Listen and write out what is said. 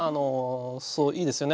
そういいですよね。